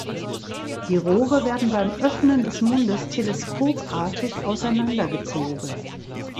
Die Rohre werden beim Öffnen des Mundes teleskopartig auseinandergezogen.